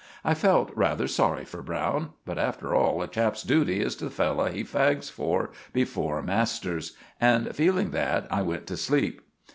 I felt rather sorry for Browne; but after all a chap's duty is to the fellow he fags for before masters; and feeling that, I went to sleep.